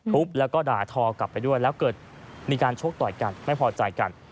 แล้วก็ด่าทอกลับไปด้วยแล้วเกิดมีการชกต่อยกันไม่พอใจกัน